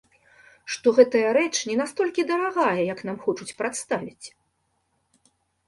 Што гэтая рэч не настолькі дарагая, як нам хочуць прадставіць.